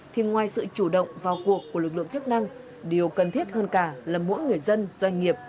thì ngoài sự chủ động vào cuộc của lực lượng chức năng điều cần thiết hơn cả là mỗi người dân doanh nghiệp